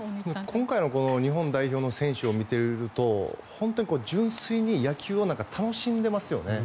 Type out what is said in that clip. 今回の日本代表の選手を見ていると本当に純粋に野球を楽しんでますよね。